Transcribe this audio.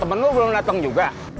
temen lu belum dateng juga